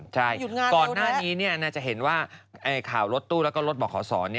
ใช่ก่อนหน้านี้น่าจะเห็นว่าข่าวรถตู้แล้วก็รถบอกขอสอน